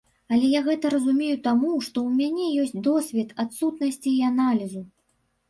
Але я гэта разумею таму, што ў мяне ёсць досвед адсутнасці і аналізу.